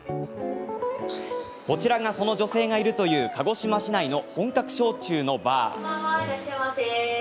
こちらが、その女性がいるという鹿児島市内の本格焼酎のバー。